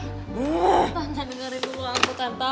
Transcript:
tante dengerin dulu aku tante